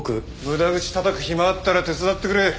無駄口たたく暇あったら手伝ってくれ。